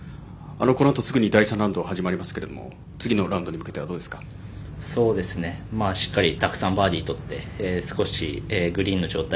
このあとすぐに第３ラウンドが始まりますけど次のラウンドに向けてはしっかりたくさんバーディーとって少し、グリーンの状態